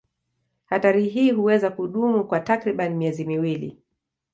Hatari hii huweza kudumu kwa takriban miezi miwili.